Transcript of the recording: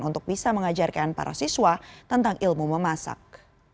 untuk bisa mengajarkan para siswa tentang ilmu memasak